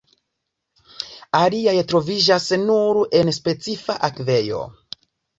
Aliaj troviĝas nur en specifa akvejo.